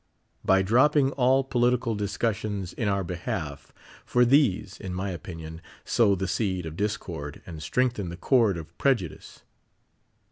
By dropping all politi cal discussions in our behalf; for these, in my opinion, sow the seed of discord and strengthen the cord of preju dice.